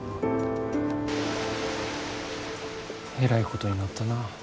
えらいことになったな。